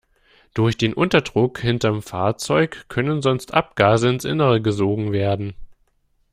Durch den Unterdruck hinterm Fahrzeug können sonst Abgase ins Innere gesogen werden.